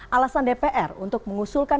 alasan dpr untuk mengusulkan